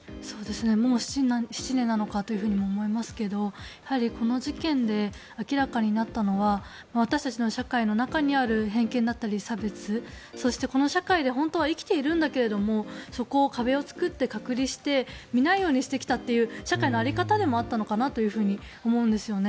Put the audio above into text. もう７年なのかというふうに思いますけどこの事件で明らかになったのは私たちの社会の中にある偏見だったり差別そして、この社会で本当は生きているんだけどもそこを壁を作って隔離して見ないようにしてきたという社会の在り方でもあったのかなと思うんですね。